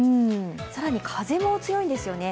更に風も強いんですよね。